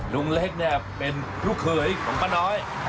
ลุงเล็กเป็นลูกเคยของป้าน้อย